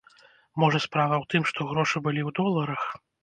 Можа, справа ў тым, што грошы былі ў доларах?